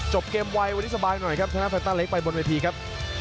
เกมไววันนี้สบายหน่อยครับชนะแฟนต้าเล็กไปบนเวทีครับ